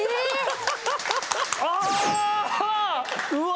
うわ！